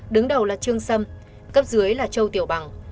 đứng đầu là trương sâm cấp dưới là châu tiểu bằng